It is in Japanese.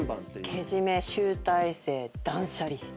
けじめ集大成断捨離。